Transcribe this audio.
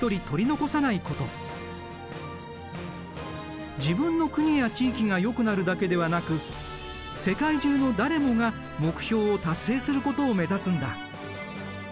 大切なのは自分の国や地域がよくなるだけではなく世界中の誰もが目標を達成することを目指すんだ。